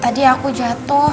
tadi aku jatuh